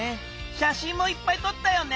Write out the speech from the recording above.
しゃしんもいっぱいとったよね！